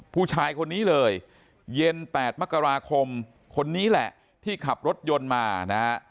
ผู้ชายคนนี้เลยเย็น๘มกราคมคนนี้แหละที่ขับรถยนต์มานะฮะ